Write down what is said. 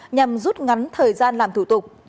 nhằm rút ngắn thời gian làm thủ tục